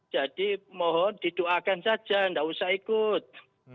jadi mohon didoakan saja enggak usah ikut